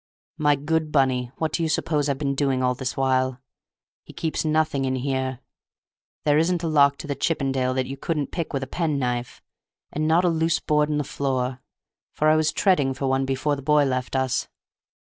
"My good Bunny, what do you suppose I've been doing all this while? He keeps nothing in here. There isn't a lock to the Chippendale that you couldn't pick with a penknife, and not a loose board in the floor, for I was treading for one before the boy left us.